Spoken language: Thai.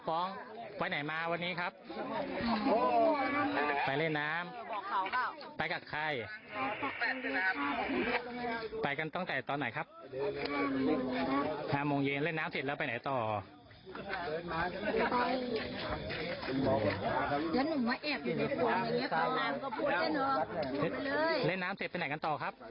เข้าไปหมอบแผ่นแมววันน้ำไปเอง